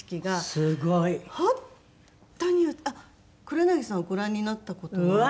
黒柳さんはご覧になった事は？